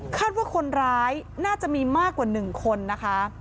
คาดว่าคนร้ายน่าจะมีมากกว่า๑คนนะคะ